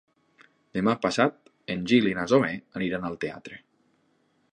Demà passat en Gil i na Zoè aniran al teatre.